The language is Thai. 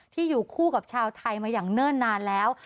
อยู่คู่กับชาวไทยมาอย่างเนิ่นนานแล้ว